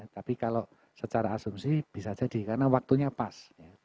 tapi kalau secara asumsi bisa jadi karena waktunya pas